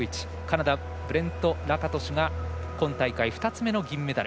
カナダのブレント・ラカトシュが今大会２つ目の銀メダル。